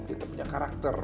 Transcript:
kita punya karakter